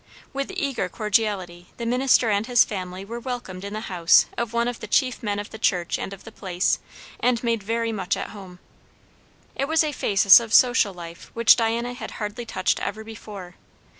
With eager cordiality the minister and his family were welcomed in the house of one of the chief men of the church and of the place, and made very much at home. It was a phasis of social life which Diana had hardly touched ever before.